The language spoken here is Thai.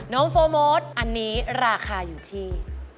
โฟร์โมทอันนี้ราคาอยู่ที่